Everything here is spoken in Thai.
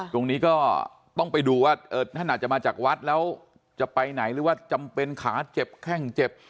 ตรงนี้ก็ต้องไปดูว่าท่านอาจจะมาจากวัดแล้วจะไปไหนหรือว่าจำเป็นขาเจ็บแข้งเจ็บ